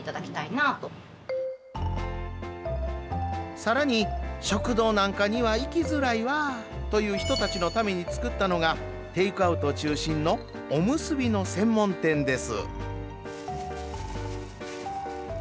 さらに食堂なんかには行きづらいわという人たちのためにつくったのがテイクアウト中心のおむすびの専門店です。